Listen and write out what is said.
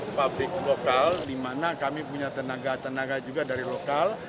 dan juga pabrik lokal di mana kami punya tenaga tenaga juga dari lokal